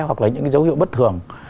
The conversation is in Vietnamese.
hoặc là những dấu hiệu bất thường